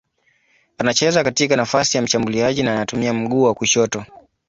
Anacheza katika nafasi ya mshambuliaji na anatumia mguu wa kushoto.